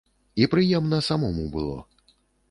І прыемна самому было.